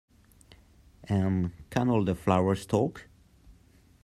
And can all the flowers talk?